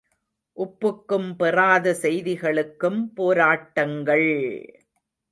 உப்புக்கும் பெறாத செய்திகளுக்கும் போராட்டங்கள்!